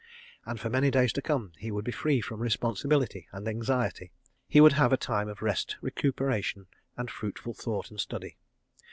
... And for many days to come he would be free from responsibility and anxiety, he would have a time of rest, recuperation, and fruitful thought and study.